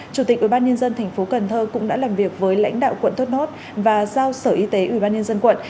chủ tịch ủy ban nhân dân tp cần thơ cũng đã làm việc với lãnh đạo quận thuất nốt và giao sở y tế ủy ban nhân dân quận